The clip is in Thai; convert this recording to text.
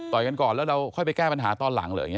ต่อยกันก่อนแล้วเราค่อยไปแก้ปัญหาตอนหลังเหรอ